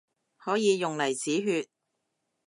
可以用嚟止血